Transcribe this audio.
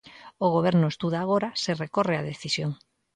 O Goberno estuda agora se recorre a decisión.